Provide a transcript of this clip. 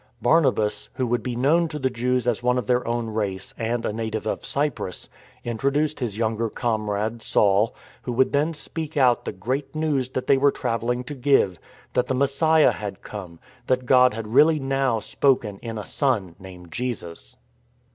Barnabas, who would be known to the Jews as one of their own race, and a native of Cyprus, introduced his younger comrade, Saul, who would then speak out the great news that they were travelling to give ; that the Mes giah had come, that God had really now spoken in a Son named Jesus.